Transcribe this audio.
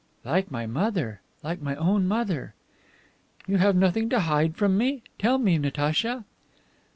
"Like my mother. Like my own mother." "You have nothing to hide from me? tell me, Natacha."